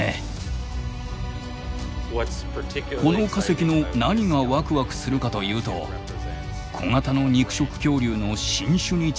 この化石の何がワクワクするかというと小型の肉食恐竜の新種に違いないからです。